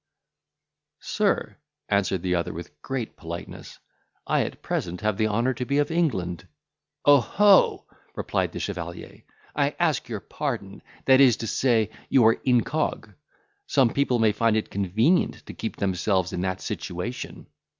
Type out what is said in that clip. "Sir," answered the other, with great politeness, "I at present have the honour to be of England." "Oho!" replied the chevalier, "I ask your pardon, that is to say, you are incog; some people may find it convenient to keep themselves in that situation."